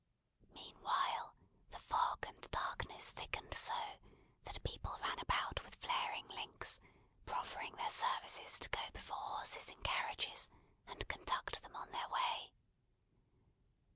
Meanwhile the fog and darkness thickened so, that people ran about with flaring links, proffering their services to go before horses in carriages, and conduct them on their way.